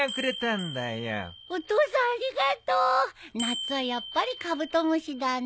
夏はやっぱりカブトムシだね。